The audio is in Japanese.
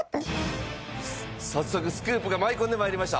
早速スクープが舞い込んで参りました。